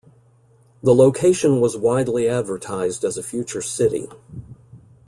The location was widely advertised as a future city.